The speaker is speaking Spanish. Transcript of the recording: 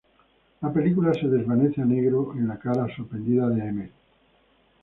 La película se desvanece a negro en la cara sorprendida de Emmet.